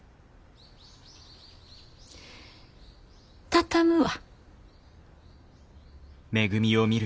畳むわ。